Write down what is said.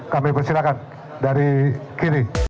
kami bersilakan dari kiri